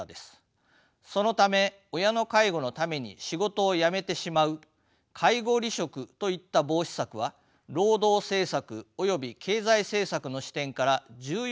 そのため親の介護のために仕事を辞めてしまう介護離職といった防止策は労働政策および経済政策の視点から重要な施策と位置づけられます。